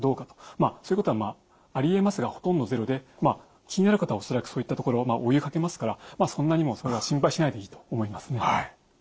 まあそういうことはまあありえますがほとんどゼロで気になる方は恐らくそういった所お湯かけますからそんなにもそれは心配しないでいいと思いますね。